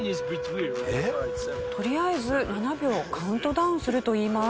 とりあえず７秒カウントダウンすると言います。